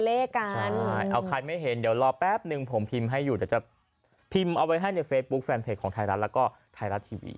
เอาไว้ให้ในเฟสบุ๊กแฟนเทคของไทยรัฐแล้วก็ไทยรัฐทีวี